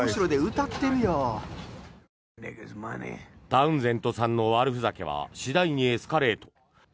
タウンゼントさんの悪ふざけは次第にエスカレート。